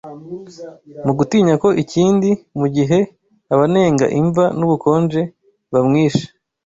Mugutinya ko ikindi, mugihe abanenga imva nubukonje Bamwishe